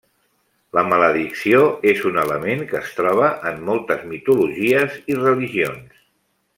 La maledicció és un element que es troba en moltes mitologies i religions.